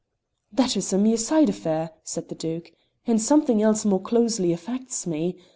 "That is a mere side affair," said the Duke, "and something else more closely affects me.